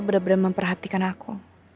benar benar memperhatikan aku